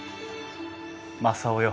正雄よ